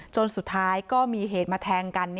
จนสุดท้ายก็มีเหตุมาแทงกัน